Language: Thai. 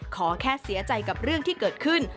ขอแค่เสียใจกับเรื่องที่เกิดขึ้น